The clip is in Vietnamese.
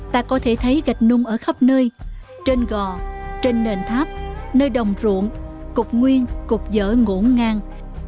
ta có thể thấy gạch nung ở khắp nơi trên gò trên nền tháp nơi đồng ruộng cục nguyên cục dở ngỗ ngang